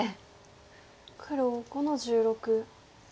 黒５の十六。